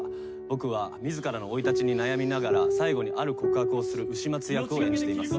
僕は自らの生い立ちに悩みながら最後にある告白をする丑松役を演じています。